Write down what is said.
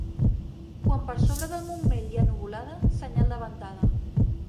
Quan per sobre del Montmell hi ha nuvolada, senyal de ventada.